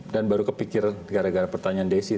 dan baru kepikir gara gara pertanyaan desy tadi